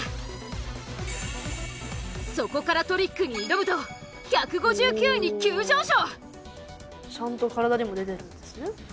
そこからトリックに挑むと１５９に急上昇！